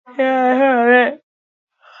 Poema hau hamabi kapitulutan antolatua dago.